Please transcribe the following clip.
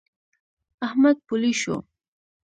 احمد پولۍ شو.